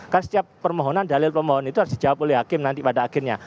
karena setiap permohonan dalil pemohonan itu harus dijawab oleh hakim nanti pada akhirnya